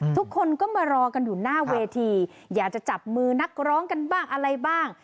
ทุกคนก็มารอกันอยู่หน้าเวทีอยากจะจับมือนักร้องกันบ้างอะไรบ้าง